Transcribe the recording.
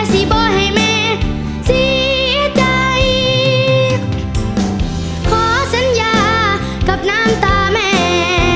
สิบอกให้แม่เสียใจขอสัญญากับน้ำตาแม่